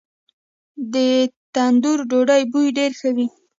د تندور ډوډۍ بوی ډیر ښه وي.